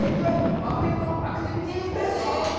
真冬のアクティビティ」です！